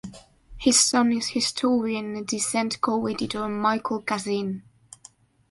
His son is historian and "Dissent" co-editor Michael Kazin.